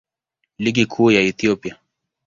Ligi Kuu ya Ethiopia.